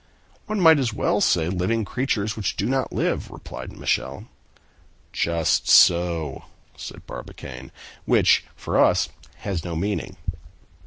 "One might as well say, living creatures which do not live," replied Michel. "Just so," said Barbicane, "which for us has no meaning."